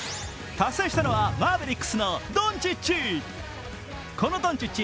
達成したのはマーベリックスのドンチッチ。